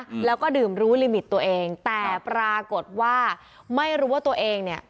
อืมแล้วก็ดื่มรู้ลิมิตตัวเองแต่ปรากฏว่าไม่รู้ว่าตัวเองเนี้ย